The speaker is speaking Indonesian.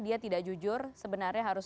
dia tidak jujur sebenarnya harus